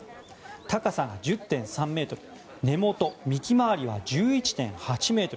高さが１０．３ｍ根本、幹回りは１１．８ｍ